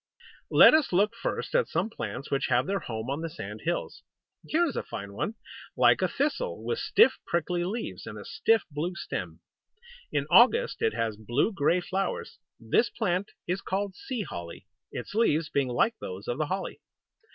Let us look first at some plants which have their home on the sand hills. Here is a fine one, like a thistle, with stiff prickly leaves, and a stiff blue stem. In August it has blue grey flowers. This plant is called Sea Holly, its leaves being like those of the holly.